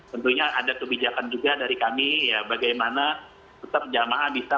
tentunya ada kebijakan juga dari kami ya bagaimana tetap jamaah bisa